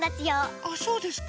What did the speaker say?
ああそうですか。